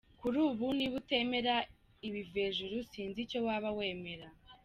Kuri ubu niba utemera ibivejuru si inzi icyo waba wemera.